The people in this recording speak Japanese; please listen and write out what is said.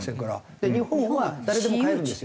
で日本は誰でも買えるんですよ。